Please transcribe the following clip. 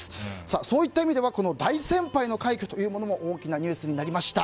そういった意味では大先輩の快挙というものも大きなニュースになりました。